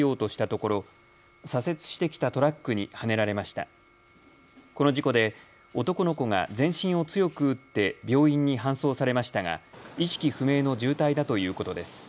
この事故で男の子が全身を強く打って病院に搬送されましたが意識不明の重体だということです。